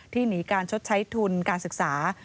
หนีการชดใช้ทุนการศึกษา